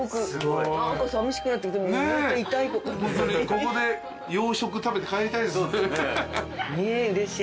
ここで洋食食べて帰りたいです。